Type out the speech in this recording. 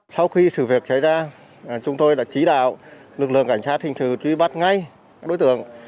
sau khi sự việc xảy ra chúng tôi đã chỉ đạo lực lượng cảnh sát hình sự truy bắt ngay các đối tượng